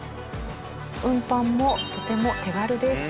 運搬もとても手軽です。